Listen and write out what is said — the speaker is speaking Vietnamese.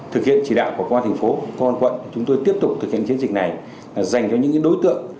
thực hiện chỉ đạo của công an thành phố công an quận chúng tôi tiếp tục thực hiện chiến dịch này dành cho những đối tượng